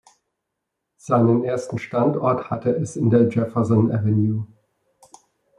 Seinen ersten Standort hatte es in der Jefferson Avenue.